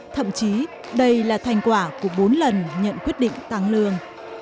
thậm chí đây là thành quả của bốn lần nhận quyết định tăng lương